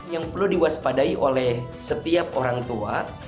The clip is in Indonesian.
yang perlu diwaspadai oleh setiap orang tua